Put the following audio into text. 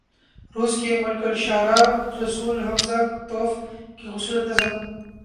روس کے ملک الشعراء “رسول ھمزہ توف“ کی خوبصورت نظم